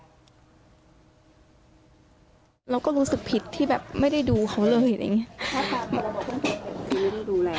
เราก็รู้สึกผิดที่แบบไม่ได้ดูเขาเลย